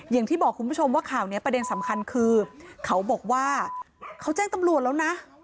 อย่างที่บอกคุณผู้ชมว่าข่าวนี้ประเด็นสำคัญคือเขาบอกว่าเขาแจ้งตำรวจแล้วนะ